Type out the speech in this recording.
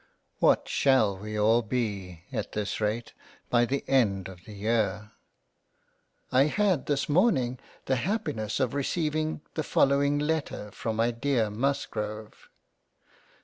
What shall we all be at this rate by the end of the year ! I had this morning the happiness of receiving the following Letter from my dear Musgrove.